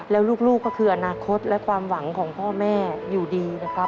แล้วลูกก็คืออนาคตและความหวังของพ่อแม่อยู่ดีนะครับ